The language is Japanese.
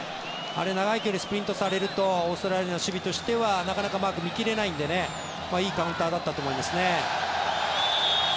あれ、長い距離スプリントされるとオーストラリアの守備としてはなかなかマークを見切れないのでいいカウンターだったと思いますね。